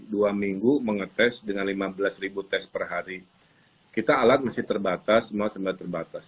dua minggu mengetes dengan lima belas ribu tes per hari kita alat masih terbatas semua tempat terbatas